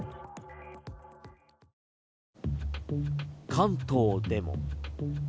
関東でも。